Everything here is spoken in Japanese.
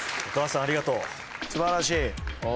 お母さんありがとう。素晴らしい。